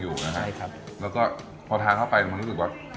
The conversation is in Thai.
อยู่นะฮะใช่ครับแล้วก็พอทานเข้าไปมันรู้สึกว่า